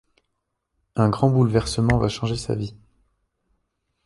Un grand bouleversement va changer sa vie.